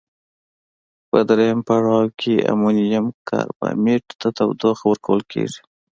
په دویم پړاو کې امونیم کاربامیت ته تودوخه ورکول کیږي.